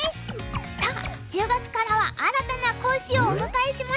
さあ１０月からは新たな講師をお迎えしました。